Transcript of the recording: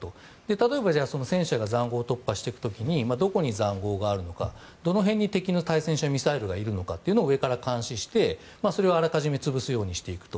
例えば戦車が塹壕を突破していく時にどこに塹壕があるのかどこら辺に敵の対戦車ミサイルがあるのかを上から監視してそれをあらかじめ潰すようにしていくと。